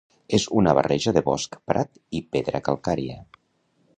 És una barreja de bosc, prat i pedra calcària.